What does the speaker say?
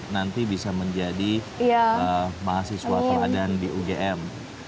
nanti bisa menjadi mahasiswa teladan di ugm